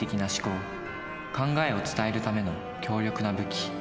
考えを伝えるための強力な武器。